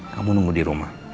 kamu nunggu di rumah